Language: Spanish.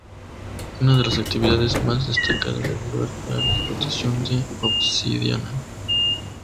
Una de las actividades más destacadas del lugar era la explotación de obsidiana.